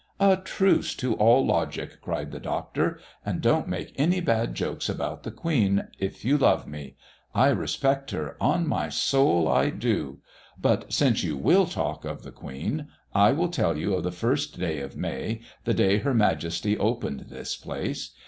"A truce to all logic!" cried the Doctor; "And don't make any bad jokes about the Queen, if you love me. I respect her; on my soul, I do! But since you will talk of the Queen, I will tell you of the first of May, the day Her Majesty opened this place!